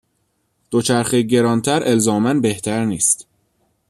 دوچرخه گرانتر الزاما بهتر نیست.